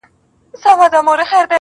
o همېشه به د مالِک ترشا روان ؤ,